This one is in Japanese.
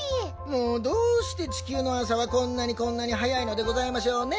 もうどうしてちきゅうのあさはこんなにこんなに早いのでございましょうね。